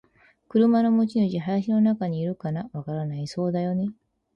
「車の持ち主。林の中にいるかな？」「わからない。」「そうだよね。」